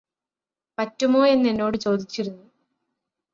പറ്റുമോയെന്നെന്നോട് ചോദിച്ചിരുന്നു